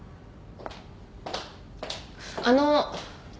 あの。